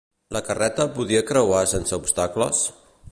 La carreta podia creuar sense obstacles?